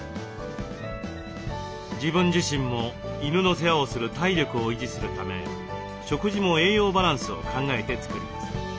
自分自身も犬の世話をする体力を維持するため食事も栄養バランスを考えて作ります。